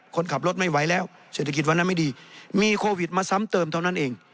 คนขับรถไม่ไหวแล้วเศรษฐกิจวันนั้นไม่ดีมีโควิดมาซ้ำเติมเท่านั้นเอง